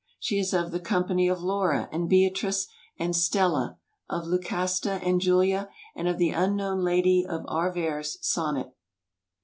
She is of the company of Laura and Beatrice, and Stella, of Lucasta and Julia, and of the unknown lady of Arvers' sonnet.